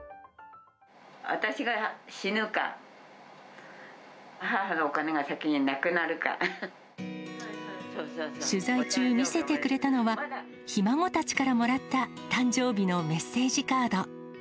私が死ぬか、取材中、見せてくれたのは、ひ孫たちからもらった誕生日のメッセージカード。